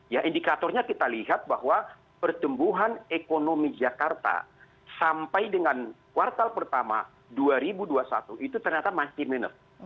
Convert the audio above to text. ya indikatornya kita lihat bahwa pertumbuhan ekonomi jakarta sampai dengan kuartal pertama dua ribu dua puluh satu itu ternyata masih minus